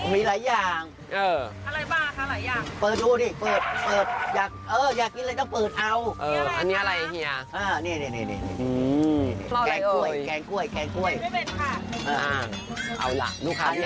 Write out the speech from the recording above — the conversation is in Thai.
เฮียมีอะไรบ้างคะวันนี้